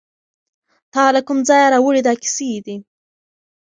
تاله کوم ځایه راوړي دا کیسې دي